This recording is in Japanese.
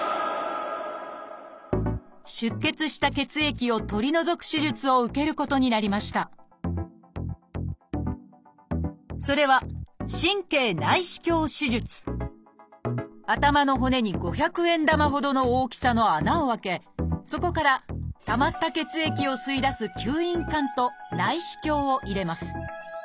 出血した血液を取り除く手術を受けることになりましたそれは頭の骨に五百円玉ほどの大きさの穴を開けそこからたまった血液を吸い出す吸引管と内視鏡を入れます。